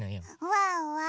ワンワン